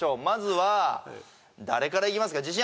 まずは誰からいきますか